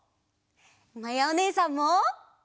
まやおねえさんも！